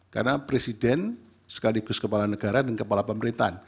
karena presiden sekaligus kepala negara dan kepala pemerintahan